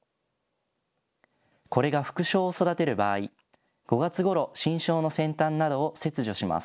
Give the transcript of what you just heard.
これが副梢を育てる場合、５月ごろ新梢の先端などを切除します。